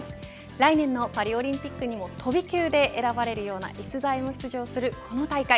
来年のパリオリンピックにも飛び級で選ばれるような逸材も出場する、この大会。